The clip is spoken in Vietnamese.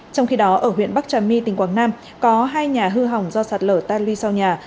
trong khi đó ở huyện bắc trà my tỉnh quảng nam có hai nhà hư hỏng do sạt lở tan ly sau nhà